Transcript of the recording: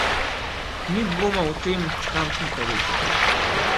Ni dvoma o tem, kam piha veter.